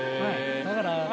だから。